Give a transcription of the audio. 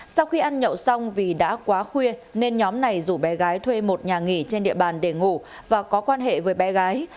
sau khi ăn nhậu xong vì đã quá khuya nên nhóm này rủ bé gái thuê một nhà nghỉ trên địa bàn để ngủ và có quan hệ với bé gái